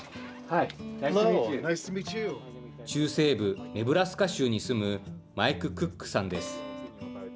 中西部、ネブラスカ州に住むマイク・クックさんです。